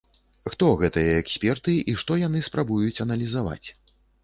Хто гэтыя эксперты і што яны спрабуюць аналізаваць?